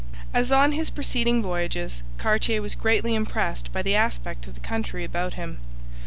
As on his preceding voyages, Cartier was greatly impressed by the aspect of the country about him.